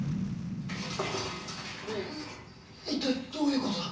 い一体どういうことだ？